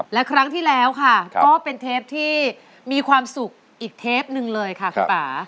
และครั้งที่แล้วค่ะก็เป็นเทปที่มีความสุขอีกเทปหนึ่งเลยค่ะคุณป่า